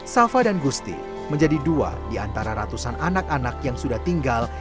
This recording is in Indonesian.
safa dan gusti menjadi dua di antara ratusan anak anak yang sudah tinggal